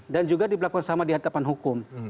dan juga diperlakukan sama di hadapan hukum